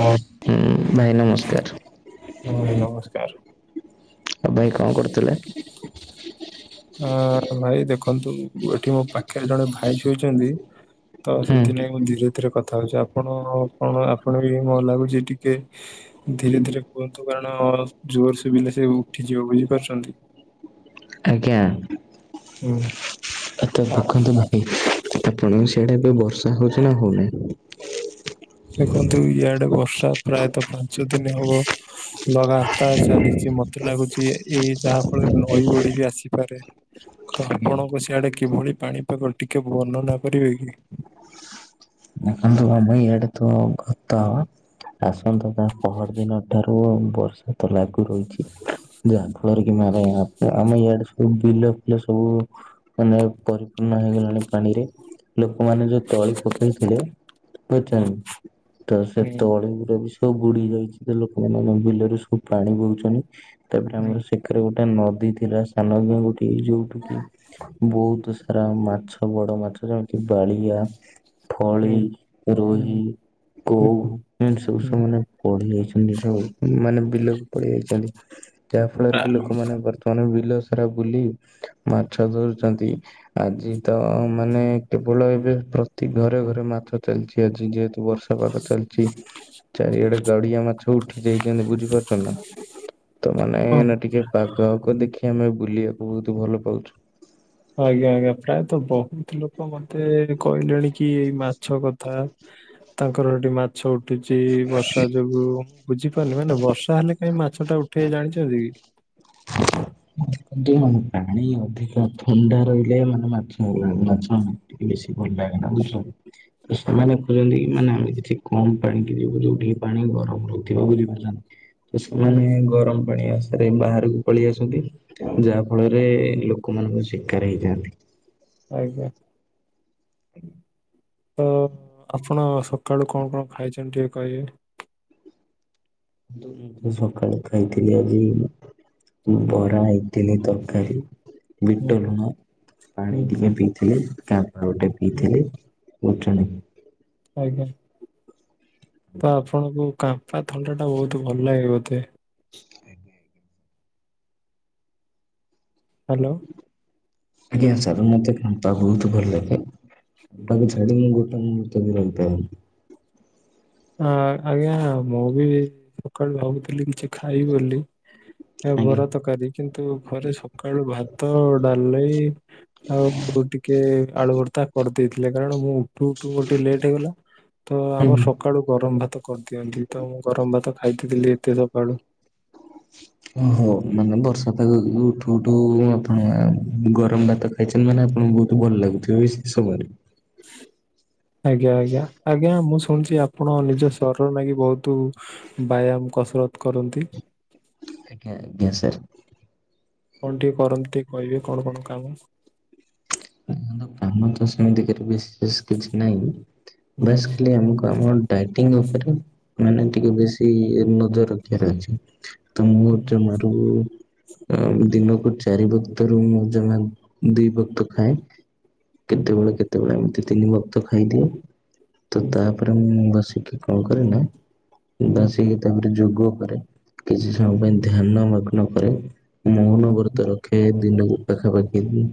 ହଁ ଭାଇ ନମସ୍କାର। ହଁ ଭାଇ ନମସ୍କାର। ଆଉ ଭାଇ କଣ କରୁଥିଲେ? ହଁ ଭାଇ ଦେଖନ୍ତୁ ଏଠି ମୋ ପାଖରେ ଜଣେ ଭାଇ ଶୋଇଛନ୍ତି ତ ହୁଁ ସେଥିନାଗି ମୁଁ ଧୀରେ ଏଥିରେ କଥା ହଉଛି, ଆପଣ କଣ ଆପଣ ବି ମ ଲାଗୁଛି ଟିକେ ଧୀରେ ଧୀରେ କୁହନ୍ତୁ କାରଣ ଜୋର ଶୁଭିଲା ସେ ଉଠିଯିବ ବୁଝିପାରୁଛନ୍ତି। ଆଜ୍ଞା। ହୁଁ ଆ ତ ହୁଁ। ଦେଖନ୍ତୁ ଭାଇ ଆପଣଙ୍କ ସେଆଡା ଏବେ ବର୍ଷା ହଉଛି ନା ହଉ ନାହିଁ। ଦେଖନ୍ତୁ ଇଆଡେ ବର୍ଷା ପ୍ରାୟତଃ ପାଞ୍ଚ ଦିନ ହବ ଲଗାତାର ଚାଲିଛି ମ ତେ ଲାଗୁଛି ଏଇ ଯାହା ଫଳରେ ନଈ ବଢ଼ି ବି ଆସିପାରେ। ତ ଆଜ୍ଞା। ଆପଣଙ୍କ ସିଆଡେ କିଭଳି ପାଣିପାଗ ଟିକେ ବର୍ଣ୍ଣନା କରିବେ କି? ଦେଖନ୍ତୁ ଆମ ଇଆଡ଼େ ତ ଗତ ଆସନ୍ତା ତା ପହର ଦିନ ଠାରୁ ବର୍ଷା ତ ଲାଗୁ ରହିଛି। ଯାହା ଫଳରେ କି ମାନେ ଆମେ ଇଆଡେ ସବୁ ବିଲ ଫିଲ ସବୁ ମାନେ ପରିପୂର୍ଣ୍ଣ ହେଇଗଲାଣି ପାଣିରେ ଲୋକମାନେ ଯୋଉ ତଳି ପକେଇଥିଲେ କେଜାଣି ତ ସେ ହୁଁ ତଳି ଗୁରା ବି ସବୁ ବୁଡି ଯାଇଛି ତ ଲୋକମାନେ ବିଲରେ ସବୁ ପାଣି ବହୁଛନ୍ତି। ତାପରେ ହୁଁ ଆମର ସେକରେ ଗୋଟେ ନଦୀ ଥିଲା ସାନଗେଙ୍ଗୁଟି ଯୋଉଠି କି ବହୁତ ସାରା ମାଛ ବଡ ମାଛ ଯେମିତି ବାଳିଆ ଫଳି, ହୁଁ ରୋହି କୋଉମାନେ ସବୁ ହୁଁ ସବ ମାନେ ପଢି ଯାଇଛନ୍ତି ସବୁ ମାନେ ବିଲକୁ ପଢି ଯାଇଛନ୍ତି। ଯାହା ଫଳରେ କି ଲୋକମାନେ ବର ସେମାନେ ବିଲ ସାରା ବୁଲି ମାଛ ଧରୁଛନ୍ତି। ଆଜି ତ ମାନେ କେବଳ ଏବେ ଘରେ ଘରେ ମାଛ ଚାଲିଛି ଆଜି ଯେହେତୁ ବର୍ଷା ପାଗ ଚାଲିଛି। ଚାରିଆଡେ ଗାଡିଆ ମାଛ ଉଠି ଯାଇଛନ୍ତି ବୁଝି ପାରୁଛ ନା। ତ ମାନେ ହଁ ନା ଟିକେ ପାଗ କୁ ଦେଖି ଆମେ ବୁଲିବାକୁ ବହୁତ ଭଲ ପାଉଛୁ। ଆଜ୍ଞା ଆଜ୍ଞା ପ୍ରାୟତଃ ବହୁତ ଲୋକ ମତେ କହିଲେଣି କି ଏଇ ମାଛ କଥା ତାଙ୍କର ସେଠି ମାଛ ଉ ଉଠୁଛି ବର୍ଷା ଯୋଗୁଁ ବୁଝିପାରୁନି ମାନେ ବର୍ଷା ହେଲେ କାହିଁ ମାଛ ଟା ଉଠେଇ ଜାଣିଛନ୍ତି କି? [unintelligible] ଦେଖନ୍ତୁ ପାଣି ଅଧିକା ଥଣ୍ଡା ରହିଲେ ମାନେ ମାଛ ମଲାଣି ମାଛ ବେଶୀ ଭଲ ଲାଗେ ନା ବୁଝ ସେମାନେ କହୁଛନ୍ତି କି ମାନେ ଆମେ କିଛି କମ୍ ପାଣିକି ଯିବ ଯୋଉଠିକି ପାଣି ଗରମ ରହୁଥିବ ବୁଝି ପାରୁଛନ୍ତି। ତ ସେମାନେ ଗରମ ପାଣି ଆସାରେ ବାହାରକୁ ପଳେଇ ଆସନ୍ତି। ଯାହା ଫଳରେ ଲୋକମାନଙ୍କ ଶିକାର ହେଇଜାନ୍ତି। ଆଜ୍ଞା। [unintelligible] ତ ଆପଣ ସକାଳୁ କଣ କଣ ଖାଇଛନ୍ତି ଟିକେ କହିବେ? ମୁଁ ତ ସକାଳେ ଖାଇଥିଲି ଆଜି। ବରା, ଇଟଲି, ତରକାରୀ ହୁଁ ବିଟ ଲୁଣ। ପାଣି ହୁଁ ଟିକେ ପିଇଥିଲେ କାମ୍ପା ଗୋଟେ ପିଇଥିଲେ ଉଠୁନି ଆଜ୍ଞା। ତ ଆପଣଙ୍କୁ କାମ୍ପା ଥଣ୍ଡା ଟା ବହୁତ ଭଲ ଲାଗେ ବୋଧେ। ହ୍ୟାଲୋ ଆଜ୍ଞା ସାର୍ ମତେ ଫାଣ୍ଟଆ ବହୁତ ଭଲ ଲାଗେ। ତାକୁ ଛାଡି କି ମୁଁ ଗୋଟେ ମୁଁ ମୁହୁର୍ତ ବି ରହି ପାରେନି। ହଁ ଆଜ୍ଞା ମୁଁ ବି ସକାଳୁ ଭାବୁଥିଲି କିଛି ଖାଇ ବୋଲି ଆଜ୍ଞା ବରା ତରକାରୀ କିନ୍ ତୁ ଘରେ ସକାଳୁ ଭାତ ଡାଲେଇ ଆଉ ଉପରୁ ଟିକେ ଆଳୁବର୍ତା କରିଦେଇଥିଲେ କାରଣ ମୁଁ ଟୁ ଟୁ ଗୋଟେ ଲେଟ୍ ହେଇଗଲା ତ ହୁଁ ଆମର ସ ଗରମ ଭାତ କରିଦିଅନ୍ତି ତ ମୁଁ ଗରମ ଭାତ ଖାଇଦଥିଲି ଏତେ ସକାଳୁ। ଓହୋ ମାନେ ବର୍ଷା ପାଗ ଉଠୁ ଉଠୁ ଆପଣ ଗରମ ଭାତ ଖାଇଚନ ମାନେ ଆପଣଙ୍କୁ ବହୁତ ଭଲ ଲାଗୁଥିବେ ସେ ସମୟରେ। ଆଜ୍ଞା ଆଜ୍ଞା। ଆଜ୍ଞା ମୁଁ ଶୁଣିଛି ଆପଣ ନିଜ ସ୍ୱରରେ ଲାଗି ବହୁତ ବ୍ୟାୟାମ କସରତ କରନ୍ତି। ଆଜ୍ଞା, ଆଜ୍ଞା, ସାର୍ କଣ ଟିକେ କରନ୍ତି ଟିକେ କହିବେ କଣ, କଣ କାମ କ କାମ ତ ସେମିତିକରେ ବେଶୀ ବେସ୍ କିଛି ନାଇଁ ବାସ୍ ଖାଲି ଆମକୁ ଆମ ଡ଼ାଇଟିଂ ଉପରେ ମାନେ ଟିକେ ବେଶି ଏଇ ନଜର ରଖିବାର ଅଛି ତ ମୁଁ ଜମାରୁ ଅ ଦିନ କୁ ଚାରି ବକ୍ତରୁ ମଁ ଜମା ଦି ବକ୍ତ ଖାଏ କେତେବେଳେ, କେତେବେଳେ ଏମିତି ତିନି ବକ୍ତ ଖାଇଦିଏ। ତ ତାପରେ ମୁଁ ବସିକି କଣ କରେ ନା ବସିକି ତାପରେ ଯୋଗ କରେ। କିଛି ସମୟଙ୍କ ପାଇଁ ଧ୍ୟାନ ମଗ୍ନ କରେ ମୁଁ ମୌନ ବ୍ରତ ରଖେ ଦିନକୁ ପାଖା ପାଖି ଦି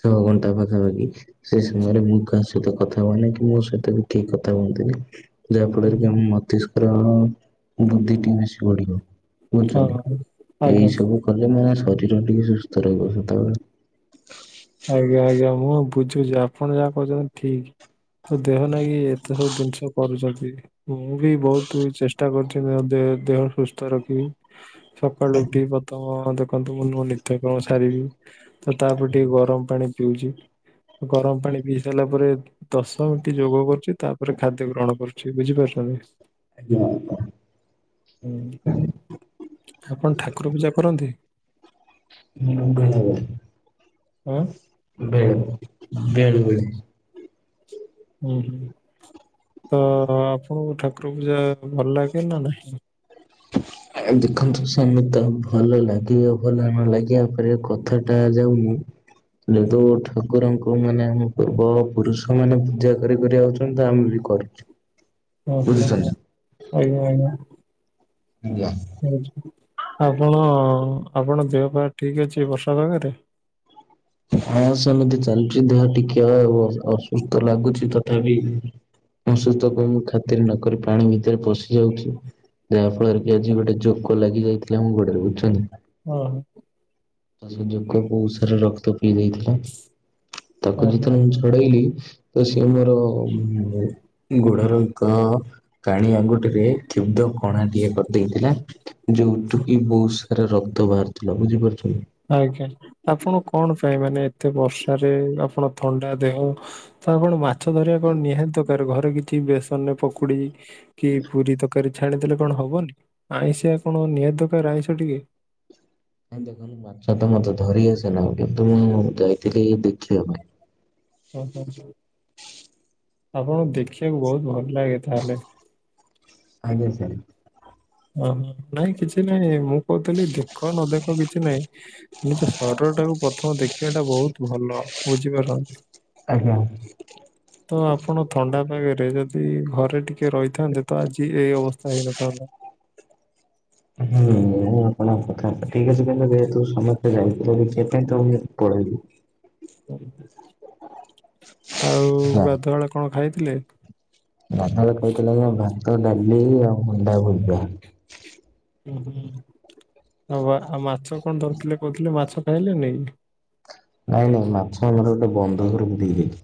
ଛଅ ଘଣ୍ଟା ପାଖାପାଖି ସେ ସମୟରେ ମୁଁ କାହା ସହିତ କଥା ହୁଏନି କି ମୋ ସହିତ ବି କେହି କଥା ହୁଅନ୍ତି ନି। ଯାହା ଫଳରେ କି ଆମ ମସ୍ତିଷ୍କ ବୁଦ୍ଧିଟି ବେଶି ବଢିବ। ହଁ ବୁଝୁଚନ୍ତି ଆଜ୍ଞା ଏଇ ସବୁ କଲେ ମାନେ ଶରୀର ଟିକେ ସୁସ୍ଥ ରହିବ ସଦାବେଳେ ଆଜ୍ଞା ଆଜ୍ଞା ମୁଁ ବୁଝୁଛି ଆପଣ ଯାହା କହୁଛନ୍ତି ଠିକ। ତ ଦେହ ନାଗି ଏତେ ସବୁ ଜିନିଷ କରୁଛନ୍ତି। ମୁଁ ବି ବହୁତ ଚେଷ୍ଟା କରୁଛି ଦେହ ସୁସ୍ଥ ରଖିବି। ସକାଳ ଉଠିବି ପଥମ ଦେଖନ୍ତୁ ମୁଁ ମୋ ନି ତ୍ୟ କର୍ମ ସାରିବି ତ ତାପରେ ଟିକେ ଗରମ ପାଣି ପିଉଚି। ଗରମ ପାଣି ପିଇ ସାରିଲା ପରେ ଦଶ ଗୋଟି ଯୋଗ କରୁଛି ତା ପରେ ଖାଦ୍ୟ ଗ୍ରହଣ କରୁଛି ବୁଝିପାରୁଛନ୍ତି। ଆଜ୍ଞା ଆଜ୍ଞା ହ ଆପଣ ଠାକୁର ପୂଜା କରନ୍ତି? ମୁ [unintelligible] ଉଁ ହୁଁ ବେଳେ ବେଳେ। ହୁଁ ତ ଆପଣଙ୍କୁ ଠାକୁର ପୂଜା ଭଲ ଲାଗେ ନା ନାଇଁ ଆଜ୍ଞା ଦେଖନ୍ତୁ ସେମତି ତ ହବ ଭଲ ଲାଗିବ ଭଲ ନ ଲାଗିବା ଉପରେ କଥାଟା ଯାଉନି ଯେହେତୁ ଠାକୁରଙ୍କୁ ମାନେ ଆମ ପୂର୍ବ ପୁରୁଷ ମାନେ ପୂଜା କରି କରି ଆଉଛନ୍ତି ତ ଆମେ ବି କରୁ। [inaudible] ଓ ହୋ ଆଜ୍ଞା ଆଜ୍ଞା ଆଜ୍ଞା। ଆପଣ ଆପଣଙ୍କ ଦେହ ପା ଠିକ ଅଛି ବର୍ଷା ପାଗରେ ହଁ ସେମିତି ଚାଲୁଚି ଦେହ ଟିକେ ଅସୁସ୍ଥ ଲାଗୁଛି ତଥାପି ଅସୁସ୍ଥତା କୁ ଖାତିରେ ନକରି ପାଣି ଭିତରେ ପଶି ଯାଉଛି ଯାହା ଫଳରେ କି ଆଜି ଗୋଟେ ଜୋ କ ଲାଗି ଯାଇଥିଲେ ମୁଁ ଗୋଡରେ ବୁଝୁଛନ୍ତି ନା ହଁ ହ ସେ ଯୋକ ବହୁତ ସାରା ରକ୍ତ ପିଇ ଦେଇଥିଲା। ତାକୁ ଓହୋ। ଯେତେବେଳେ ମୁଁ ଛଡେଇଲି ତ ସିଏ ମୋର ଗୋଡର ଏକ କାଣି ଆଙ୍ଗୁଠିରେ କ୍ଷୁବ୍ଧ କଣା ଟଏ କରିଦେଇଥିଲା। ଯୋଉଠୁ କି ବହୁତ ସାରା ରକ୍ତ ବାହାରୁ ଥିଲା ବୁଝିପାରୁଛନ୍ତି ଆଜ୍ଞା ଆପଣ କଣ ପାଇଁ ମାନେ ଏତେ ବର୍ଷାରେ ଆପଣ ଥଣ୍ଡା ଦେହ ତା କଣ ମାଛ ଧରିବା କଣ ନିହାତି ଦରକାର ଘରେ କିଛି ଛି ବେସନରେ ପକୁଡି କି ପୁରୀ ତରକାରୀ ଛାଣିଦେଲେ କଣ ହବନି? ଆଇଁଷିଆ କଣ ନିହାତି ଦରକାର ଆଇଁଷ ଟିକେ ନାଇଁ ଦେଖନ୍ତୁ ମାଛ ତ ମତେ ଧରି ଆସନା କିନ୍ତୁ ମୁଁ ଯାଇଥିଲି ଦେଖିବା ପାଇଁ। ଓହୋ ଆପଣଙ୍କୁ ଦେଖିବାକୁ ବହୁତ ଭଲ ଲାଗେ ତାହେଲେ ଆଜ୍ଞା ସାର୍ ହ ନାଇଁ କିଛି ନାଇଁ ମୁଁ କହୁଥିଲି ଦେଖ ନ ଦେଖ କିଛି ନାଇଁ ନିଜ ଶରୀର ଟାକୁ ପ୍ରଥମ ଦେଖିବା ଟା ବହୁତ ଭଲ। ବୁଝିପାରୁଛନ୍ତି। ଆଜ୍ଞା ତ ଆପଣ ଥଣ୍ଡା ପାଗରେ ଯଦି ଘରେ ଟିକେ ରହିଥାନ୍ତେ ତ ଆଜି ଏଇ ଅବସ୍ଥା ହେଇନଥାନ୍ତା। ହୁଁ ଆପଣଙ୍କ କଥା ହେତା ଠିକ୍ ଅଛି କହିଲଲେ ଯେହେତୁ ସମସ୍ତେ ଯାଇଥିଲ ଦେଖିବା ପାଇଁ ତ [unintelligible] ପଳେଇଲି। ଓ ଆଉ ଗାଧବେଳେ କଣ ଖାଇଥିଲେ? ଗାଧୁଆ ବେଳେ ଖାଇଥିଲି ଯେ ଭାତ ଡାଲି ଆଉ ଅଣ୍ଡା ଭୁଜିଆ। ଉ ହୁଁ ଆଉ ମା ଆଉ ମାଛ କଣ ଧରିଥିଲେ କହୁଥିଲେ ମାଛ ଖାଇଲେନି। ନାଇଁ ନାଇଁ ମାଛ ଆମର ଗୋଟେ ବନ୍ଧ ଘରକୁ ଦେଇଦେଲୁ।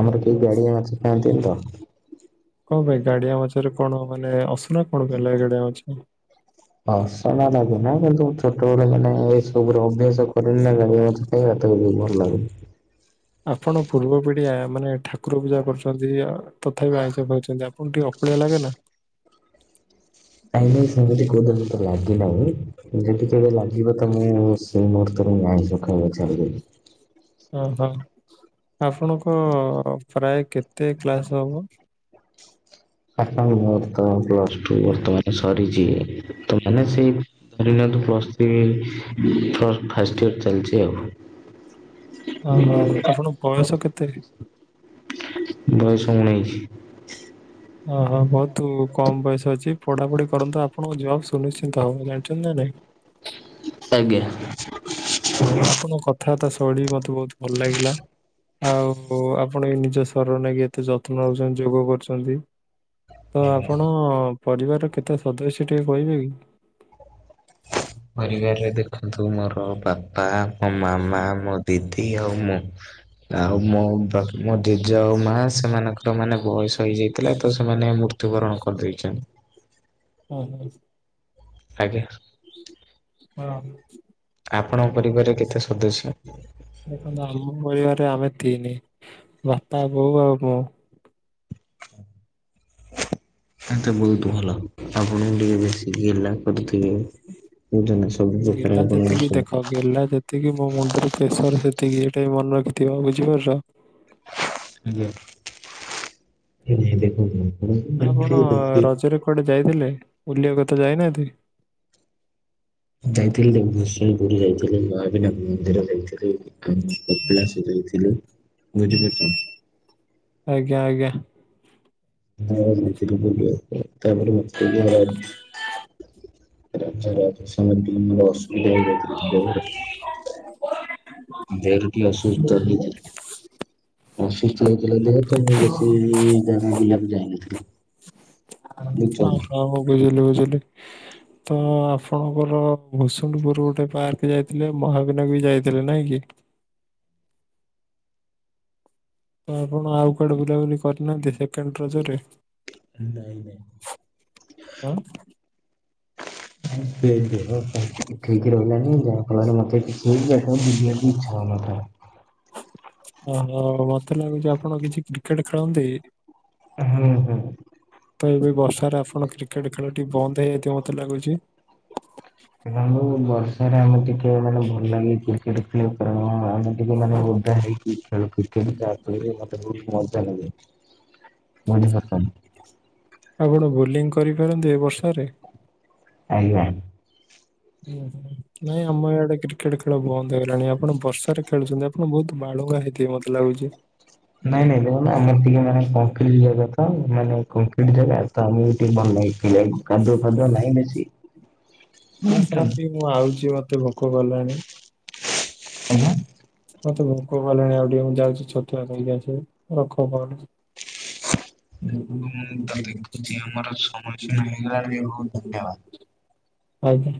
ଆମର କେହି ଗାଡିଆ ମାଛି ଖାଆନ୍ତିନି ତ। କଣ ପାଇଁ ଗାଡିଆ ମାଛରେ କଣ ମାନେ ଅସନା କଣ କଲା ଗାଡିଆ ମାଛ? ହର୍ଷଣା ଲାଗେ ନା କିନ୍ତୁ ଛୋଟବେଳେ ମାନେ ଏଇ ସବୁରେ ଅଭ୍ୟାସ କରନି ନା ଗାଡ଼ିଆ ମାଛ। ଏଇ ଭାତକୁ [unintelligible] ଭଲ ଲାଗୁନି। ଆପଣ ପୂର୍ବ ପିଡିଆ ମାନେ ଠାକୁର ପୂଜା କରୁଛନ୍ତି ଅ ତଥାପି ଆଇଁଷ ଖାଉଛନ୍ତି ଆ ଆପଣକୁ ଟିକେ ଅକଳିଆ ଲାଗେ ନା? କାଇହିଁକି ସେମିତି କୁହନ୍ତୁନି ମତେ ଲାଜ ଲାଗେ। ଯଦି [unintelligible] ଲାଗିବ ତ ମୁଁ ସେଇ ମୁହୂର୍ତ୍ତରେ ମୁଁ ଆଇଁସ ଖାଇବା ଛାଡିଦେବି। ଓ ହଁ ଆପଣଙ୍କ ପ୍ରାୟ କେତେ କ୍ଲାସ ହବ। ଆପଣଙ୍କୋର ତ ପ୍ଲସ୍ ଟୁ ବର୍ତ୍ତମାନ ସରିଛି। ତ ମାନେ ସେଇ ଧରିନିଅନ୍ତୁ ପ୍ଲସ ଥ୍ରୀ ଥର୍ ଫାଷ୍ଟ ଇୟର ଚାଲିଛି ଆଉ ଓ ହଁ ଆପଣ ବୟସ କେତେ? ବୟସ ଉଣେଇଷି ଓହୋ ବହୁତ କମ ବୟସ ଅଛି ପଢାପଢି କରନ୍ତୁ ଆପଣଙ୍କ ଜବାବ ସୁନିଶ୍ଚିନ୍ତ ହବ ଜାଣିଛନ୍ତି ନା ନାଇଁ? ଆଜ୍ଞା। ହଁ, ଆପଣଙ୍କ କଥାବାର୍ତ୍ତା ଶୈଳୀ ମତେ ବହୁତ ଭଲ ଲାଗିଲା। ଆଉ ଆପଣ ବି ନିଜ ଶରୀର ନେଇକି ଏତେ ଯତ୍ନ ନେଉଛନ୍ତି ଯୋଗ କରୁଛନ୍ତି। ତ ଆପଣ ପରିବାରର କେତେ ସଦସ୍ୟ ଟିକେ କହିବେ କି? ପରିବାରରେ ଦେଖନ୍ତୁ ମୋର ବାପା ମୋ ମାମା ମୋ ଦିଦି ଆଉ ମୁଁ ଆଉ ମୋ ବା ମୋ ଜେଜେ ଆଉ ମା ସେମାନଙ୍କର ମାନେ ବୟସ ହେଇଯାଇଥିଲା ତ ସେମାନେ ମୃତ୍ୟୁବରଣ କରିଦେଇଛନ୍ତି। ହଁ। ଆଜ୍ଞା। ହଁ, ଆପଣଙ୍କ ପରିବାରରେ କେତେ ସଦସ୍ୟ? ଦେଖନ୍ତୁ ଆମ ପରିବାର ଆମେ ତିନି ବାପା ବୋଉ ଆଉ ମୁଁ ଏ ତ ବହୁତ ଭଲ ଆପଣଙ୍କୁ ଟିକେ ବେଶିକିଲା ଗେଲ୍ହା କରୁଥିବେ ବୁଝୁଛନ୍ତି [unintelligible] [unintelligible] ସେତିକି ମୋ ମୁଣ୍ଡରେ ପ୍ରେସର ସେତିକି ଏଇଟା ମନେ ରଖିଥିବ ବୁଝିପାରଛ ଆଜ୍ଞା [unintelligible] କଆଟେ ଯାଇଥିଲେ ବୁଲିବା କତା ଯାଇନାହାନ୍ତି? ଯାଇଥିଲି ଭୂଷଂପୁରୀ ଯାଇଥିଲି ମହାବିନାକ ମନ୍ଦିର ଯାଇଥିଲେ। ହଁ କପିଳାସ ଯାଇଥିଲି ବୁଝିପାରୁଛ? ଆଜ୍ଞା ଆଜ୍ଞା। ହଁ ଯାଇଥିଲି ବୁଲିବା ପାଇଁ ତାପରେ [unintelligible] [unintelligible] ସମତିକୁ ମୋର ଅସୁବିଧା ହେଇଥିଲା। ଦେଅର ଟିକେ ଅସୁସ୍ଥ ହେଇ ଅସୁସ୍ଥ ହେଇଥିଲା ଦେହେତ ମୁଁ ବେଶୀ ଜାଗା ବିଲାକୁ ଯାଇନଥିଲି। ବୁଝୁଛ ଆଃ ନା। ହଁ ମୁଁ ବୁଝିଲି ବୁଝିଲି। ତ ଆପଣଙ୍କର ଭୁସୁଣ୍ଡପୁର ଗୋଟେ ପାର୍କ ଯାଇଥିଲେ ମହାବିନା ବି ଯାଇଥିଲେ ନାଇଁ କି? ତ ଆପଣ ଆଉ କୁଆଡେ ବୁଲାବୁଲି କରିନାହାନ୍ତି ସେକେଣ୍ଡ ରଜରେ? ନାଇଁ ନାଇଁ। [unintelligible] [unintelligible] ଇଛା ହଉନଥିଲା। ଓ ହୋ ମତେ ଲାଗୁଛି ଆପଣ କିଛି କ୍ରିକେଟ ଖେଳନ୍ତି କି? ହୁଁ ହୁଁ। ତ ଏବେ ବର୍ଷାରେ ଆପଣ କି କ୍ରିକେଟ ଖେଳ ଟି ବନ୍ଦ ହେଇଯାଇଥିବ ମୋତେ ଲାଗୁଛି। ଆଉ ବର୍ଷରେ ଆମେ ଟିକେ ମାନେ ଭଲ ଲାଗେ କ୍ରିକେଟ ଖେଳିବା। [unintelligible] ଆମେ ଟିକେ ମାନେ ଓଧା ହେଇକି ଖେଳୁ କ୍ରିକେଟ ଯାହା ଫଳରେ ମତେ ବହୁତ ମଜା ଲାଗେ। ବୁଝିପାରୁଛନ୍ତି। ଆପଣ ବୋଲିଂ କରିପାରନ୍ତ ଏ ବର୍ଷାରେ? ଆଜ୍ଞା। ହୁଁ। ନାଇଁ ଆମ ଇଆଡେ କ୍ରିକେଟ ଖେଳ ବନ୍ଦ ହେଇଲାଣି ଆପଣ ବର୍ଷାରେ ଖେଳୁଛନ୍ତି ଆପଣ ବହୁତ ବାଳୁଙ୍ଗା ହେଇଥିବେ ବୋଧେ? ଲାଗୁଛି। ନାଇଁ ନାଇଁ ଦେଖନ୍ତୁ ଆମର ଟିକେ ମାନେ ଟିକେ କଂକ୍ରିଟ ଜାଗା ତ ମାନେ କଂକ୍ରିଟ ଜାଗା ତ ଆମେ ଭଲ କାଦୁଅ ଫାଦୁ ନହିଁ ହଁ ସାର୍ ବେଶୀ। ଟିକେ ମୁଁ ଆଉଛି ମତେ ଭୋକ କଲାଣି ହେଲା। ମତେ ଭୋକ କଲାଣି ଆଉ ଟିକେ ମୁଁ ଯାଉଛି ଛତୁଆ ଖାଇକି ଆସିବ ରଖ। [unintelligible] ମୁଁ ତ ଦେଖୁଛି ଆମର ସମୟ ସୀମା ହେଇଗଲାଣି ବହୁତ ଧନ୍ୟବାଦ। [unintelligible] ଆଜ୍ଞା।